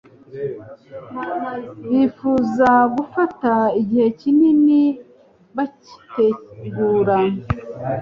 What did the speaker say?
bifuza gufata igihe kinini bakitegura